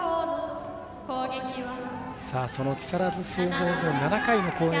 その木更津総合の７回の攻撃。